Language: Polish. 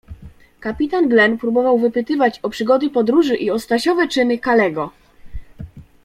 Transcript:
Kapitan Glen próbował wypytywać o przygody podróży i o Stasiowe czyny Kalego.